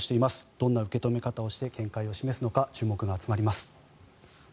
どんな受け止め方をして展開を示すのか注目が集まります。